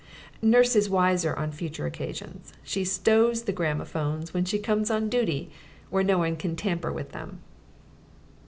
Nurse is wiser on future occasions: she stows the gramophones, when she comes on duty, where no one can tamper with them.